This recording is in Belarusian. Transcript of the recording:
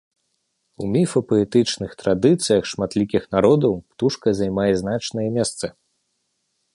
У міфапаэтычных традыцыях шматлікіх народаў птушка займае значнае месца.